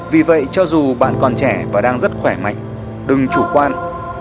vì vậy cho dù bạn còn trẻ và đang rất khỏe mạnh đừng chủ quan